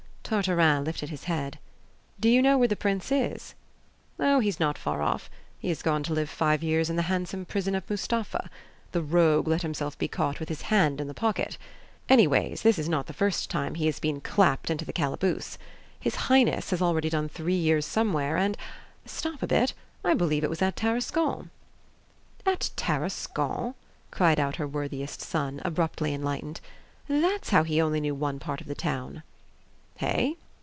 Tartarin lifted his head "Do you know where the prince is?" "Oh, he's not far off. He has gone to live five years in the handsome prison of Mustapha. The rogue let himself be caught with his hand in the pocket. Anyways, this is not the first time he has been clapped into the calaboose. His Highness has already done three years somewhere, and stop a bit! I believe it was at Tarascon." "At Tarascon!" cried out her worthiest son, abruptly enlightened. "That's how he only knew one part of the Town." "Hey?